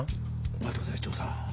まって下さいチョウさん。